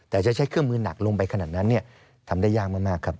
แต่จะใช้เครื่องมือหนักลงไปขนาดนั้นทำได้ยากมากครับ